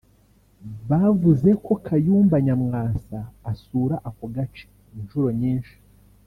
Bavuze ko Kayumba Nyamwasa asura ako gace inshuro nyinshi